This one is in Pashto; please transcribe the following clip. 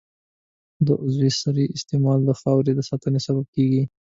د عضوي سرې استعمال د خاورې د ساتنې سبب کېږي.